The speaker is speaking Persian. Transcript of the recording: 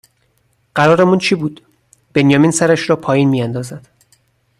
قرارمون چی بود بنیامین سرش را پایین می اندازد